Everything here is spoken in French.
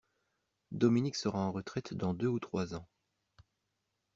Dominique sera en retraite dans deux ou trois ans.